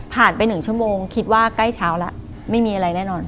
ไป๑ชั่วโมงคิดว่าใกล้เช้าแล้วไม่มีอะไรแน่นอน